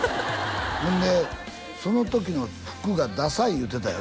ほんでその時の服がダサい言うてたよ